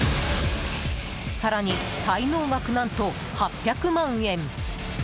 更に、滞納額何と８００万円！